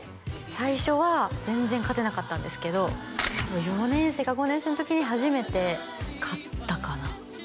最初は全然勝てなかったんですけど４年生か５年生の時に初めて勝ったかな？